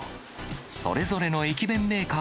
それぞれの駅弁メーカー